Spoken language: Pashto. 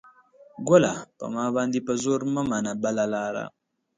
ګله ! په ما باندې په زور مه منه بله لاره